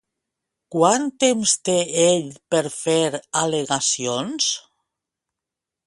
Quant temps té ell per fer al·legacions?